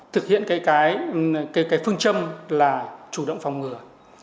thực hiện cái phương châm là chủ động phòng ngừa